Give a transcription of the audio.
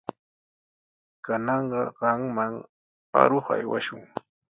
Kananqa qamman aruq aywashun.